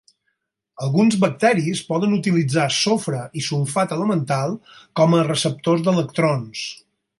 Alguns bacteris poden utilitzar sofre i sulfat elemental com a receptors d'electrons.